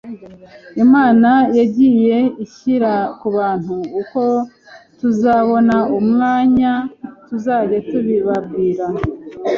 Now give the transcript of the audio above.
Imana yagiye ishyira ku bantu, uko tuzabona umwanya tuzajya tubibabwira